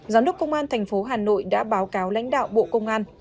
giám đốc công an thành phố hà nội đã báo cáo lãnh đạo bộ công an